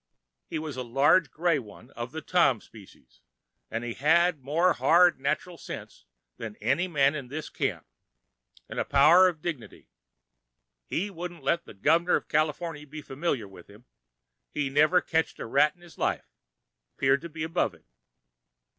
He was a large grey one of the Tom specie, an' he had more hard, natchral sense than any man in this camp—'n' a power of dignity—he wouldn't let the Gov'ner of Cal[Pg 145]iforny be familiar with him. He never ketched a rat in his life—'peared to be above it.